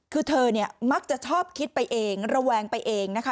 คือเธอเนี่ยมักจะชอบคิดไปเองระแวงไปเองนะคะ